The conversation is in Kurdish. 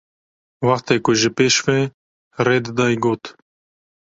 Wextê ku ji pêş ve rê didayê got: